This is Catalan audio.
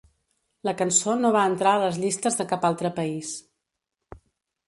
La cançó no va entrar a les llistes de cap altre país.